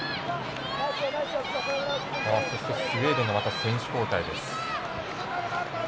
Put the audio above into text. スウェーデンの選手交代です。